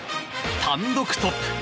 単独トップ。